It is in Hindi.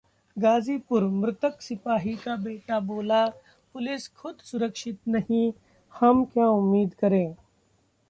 गाजीपुर: मृतक सिपाही का बेटा बोला- पुलिस खुद सुरक्षित नहीं, हम क्या उम्मीद करें